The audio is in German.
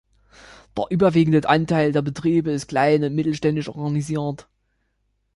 Der überwiegende Anteil der Betriebe ist klein- und mittelständisch organisiert.